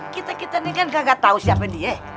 kita kita nih kan gak tau siapa dia